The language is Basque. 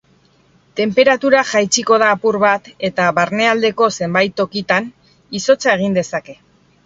Tenperatura jaitsiko da apur bat eta barnealdeko zenbait tokitan izotza egin dezake.